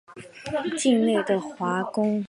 境内的华闾古都为丁朝和前黎朝的首都。